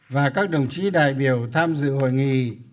và các đồng chí đại biểu tham dự hội nghị